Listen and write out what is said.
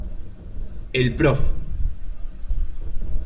El prof.